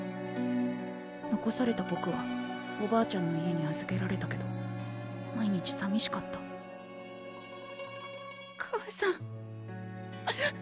残されたぼくはおばあちゃんの家に預けられたけど毎日さみしかった母さん。